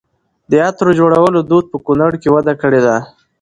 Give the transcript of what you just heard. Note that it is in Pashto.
د عطرو جوړولو دود په کونړ کې وده کړې ده.